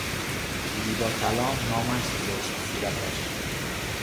زیبا کلام نامش زشت سیرتش